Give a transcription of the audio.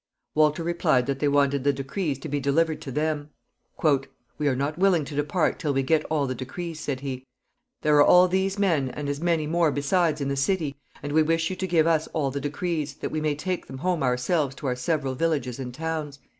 Walter replied that they wanted the decrees to be delivered to them. "We are not willing to depart till we get all the decrees," said he. "There are all these men, and as many more besides in the city, and we wish you to give us all the decrees, that we may take them home ourselves to our several villages and towns."